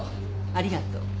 ありがとう。